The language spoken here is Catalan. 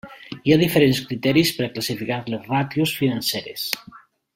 Hi ha diferents criteris per classificar les ràtios financeres.